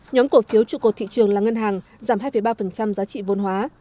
nhóm cổ phiếu trụ cột thị trường là ngân hàng giảm hai ba giá trị vôn hóa